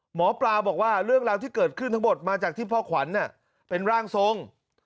หมอปลาบอกว่าเรื่องราวที่เกิดขึ้นทั้งหมดมาจากที่พ่อขวัญเป็นร่างทรง